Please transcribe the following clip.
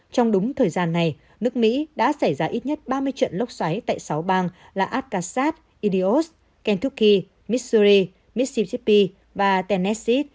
trong đúng thời gian này nước mỹ đã xảy ra ít nhất ba mươi trận lốc xoáy tại sáu bang là arkansas idios kentucky missouri mississippi và tennessee